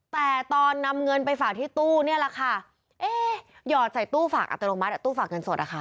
แต่ตอนนำเงินไปฝากที่ตู้เนี่ยแหละค่ะเอ๊ะหยอดใส่ตู้ฝากอัตโนมัติตู้ฝากเงินสดอะค่ะ